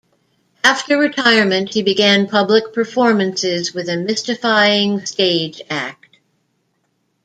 After retirement, he began public performances with a mystifying stage act.